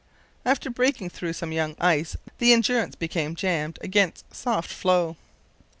After breaking through some young ice the Endurance became jammed against soft floe.